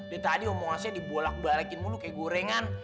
dari tadi omongannya saya dibolak balakin mulu kayak gorengan